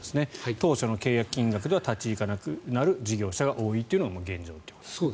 当初の契約金額では立ち行かなくなる業者が多いというのも現状ということですね。